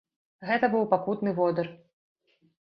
Гэта быў пакутны водыр!